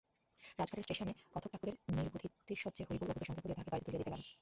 রাজঘাটের স্টেশনে কথকঠাকুরের নির্বন্ধতিশয্যে হরিহর অপুকে সঙ্গে করিয়া তাহাকে গাড়িতে তুলিয়া দিতে গেল।